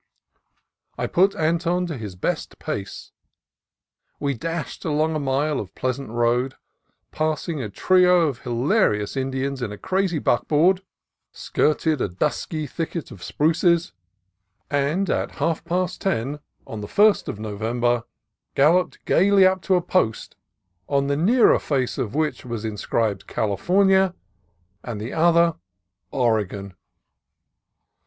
I put Anton to his best pace. We dashed along a mile of pleasant road, passing a trio of hilarious In dians in a crazy buckboard ; skirted a dusky thicket THE GOAL IS REACHED 311 of spruces; and at half past ten on the 1st of Novem ber galloped gaily up to a post on the nearer face of which was inscribed "California," on the other, "Oregon."